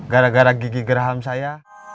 gara gara gigi gerham saya